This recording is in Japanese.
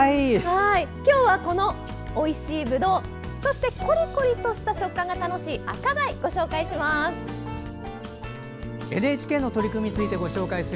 今日は、おいしいぶどうそして、コリコリとした食感が楽しい赤貝をご紹介します。